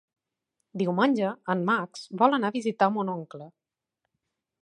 Diumenge en Max vol anar a visitar mon oncle.